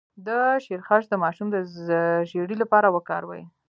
د شیرخشت د ماشوم د ژیړي لپاره وکاروئ